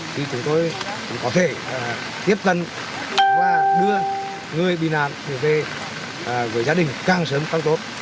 thì chúng tôi cũng có thể tiếp dân và đưa người bị nạn về với gia đình càng sớm càng tốt